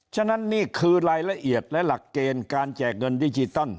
ฉะนั้นนี่คือรายละเอียดและหลักเกณฑ์การแจกเงินดิจิตอล